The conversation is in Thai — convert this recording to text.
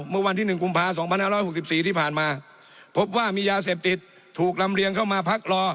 เมื่อวันที่๑กุมภา๒๕๖๔ที่ผ่านมาพบว่ามียาเสพติดถูกลำเรียงเข้ามาพักรอ